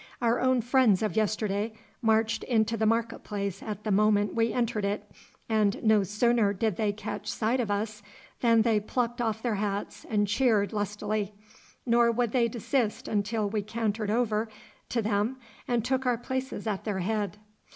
Our own friends of yesterday marched into the market place at the moment we entered it, and no sooner did they catch sight of us than they plucked off their hats and cheered lustily, nor would they desist until we cantered over to them and took our places at their head.